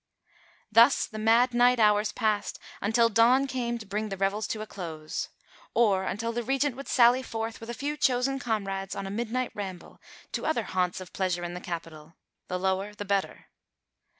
Thus the mad night hours passed until dawn came to bring the revels to a close; or until the Regent would sally forth with a few chosen comrades on a midnight ramble to other haunts of pleasure in the capital the lower the better.